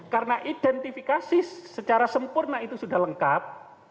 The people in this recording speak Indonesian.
karena identifikasi secara sempurna itu sudah lengkap